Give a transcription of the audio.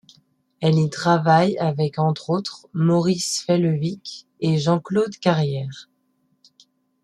Elle y travaille avec entre autres avec Maurice Failevic et Jean-Claude Carrière.